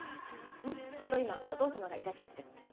ちょうど今お父様がいらっしゃって。